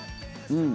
うん！